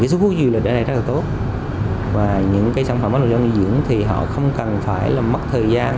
số khu du lịch ở đây rất là tốt và những sản phẩm bất động dưỡng thì họ không cần phải mất thời gian